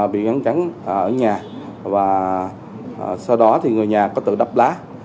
bị gắn cắn ở nhà và sau đó thì người nhà có tự đắp lá